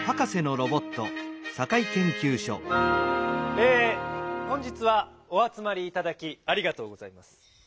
え本日はおあつまりいただきありがとうございます。